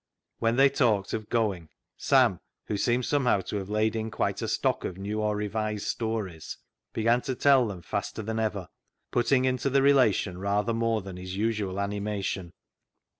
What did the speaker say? When they talked of going, Sam, who seemed somehow to have laid in quite a stock of new or revised stories, began to tell them faster than ever, putting into the relation rather more than his usual animation.